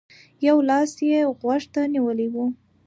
يو لاس يې غوږ ته نيولی و.